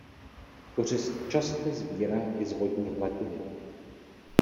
Kořist často sbírá i z vodní hladiny.